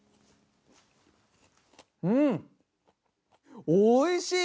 うん、おいしい！